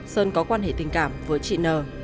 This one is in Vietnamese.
sơn có quan hệ tình cảm với trị nờ